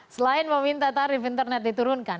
selain meminta tarif internet diturunkan